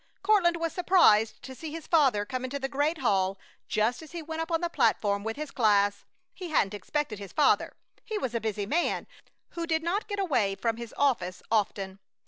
Courtland was surprised to see his father come into the great hall just as he went up on the platform with his class. He hadn't expected his father. He was a busy man who did not get away from his office often.